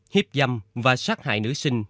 hiếp dâm và sát hại nữ sinh